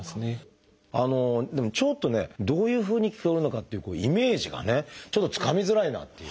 でもちょっとねどういうふうに聞こえるのかっていうイメージがねちょっとつかみづらいなっていう。